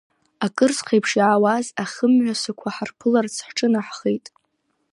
Акырцх еиԥш иаауаз ахымҩасқәа ҳарԥыларц ҳҿынаҳхеит…